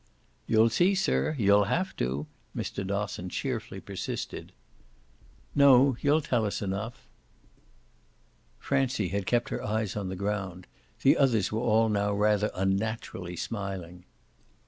"You'll see, sir, you'll have to!" Mr. Dosson cheerfully persisted. "No, you'll tell us enough." Francie had kept her eyes on the ground; the others were all now rather unnaturally smiling.